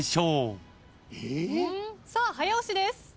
さあ早押しです。